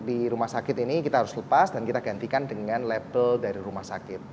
di rumah sakit ini kita harus lepas dan kita gantikan dengan label dari rumah sakit